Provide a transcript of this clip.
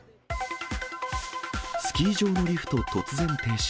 スキー場のリフト突然停止。